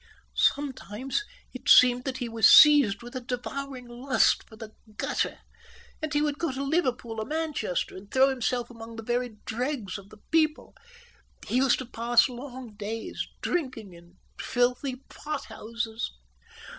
Sometimes, it seemed that he was seized with a devouring lust for the gutter, and he would go to Liverpool or Manchester and throw himself among the very dregs of the people. He used to pass long days, drinking in filthy pot houses.